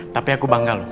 tapi aku bangga loh